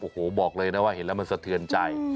โอ้โหบอกเลยนะว่าเห็นแล้วมันสะเทือนใจ